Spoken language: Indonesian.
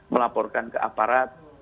melaporkan ke aparat